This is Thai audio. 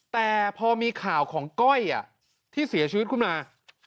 แต่พอมีข่าวของก้อยที่เสียชีวิตขึ้นมา